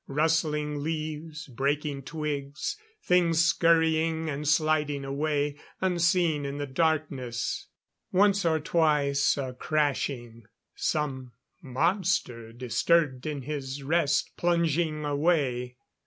Rustling leaves; breaking twigs; things scurrying and sliding away, unseen in the darkness. Once or twice a crashing some monster disturbed in his rest plunging away.